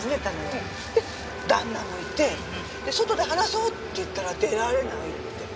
で旦那もいて外で話そうって言ったら出られないって。